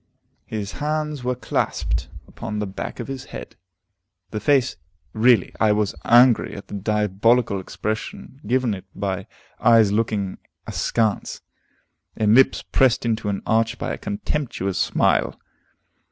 His hands were clasped upon the back of his head. The face really, I was angry at the diabolical expression given it by eyes looking askance, and lips pressed into an arch by a contemptuous smile.